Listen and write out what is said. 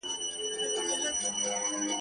بې دلیله نازولی د بادار دی.